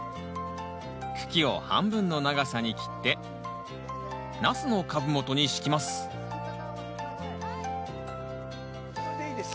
茎を半分の長さに切ってナスの株元に敷きますいいです。